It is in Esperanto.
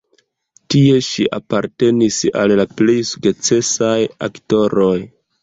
Tie ŝi apartenis al la plej sukcesaj aktoroj.